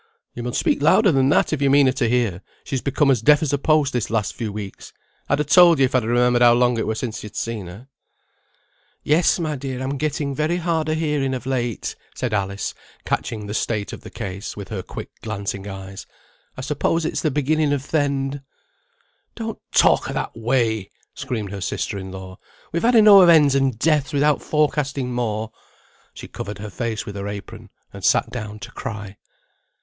"You mun speak louder than that, if you mean her to hear; she become as deaf as a post this last few weeks. I'd ha' told you, if I'd remembered how long it were sin' you'd seen her." "Yes, my dear, I'm getting very hard o' hearing of late," said Alice, catching the state of the case, with her quick glancing eyes. "I suppose it's the beginning of th' end." "Don't talk o' that way," screamed her sister in law. "We've had enow of ends and deaths without forecasting more." She covered her face with her apron, and sat down to cry.